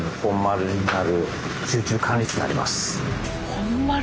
本丸。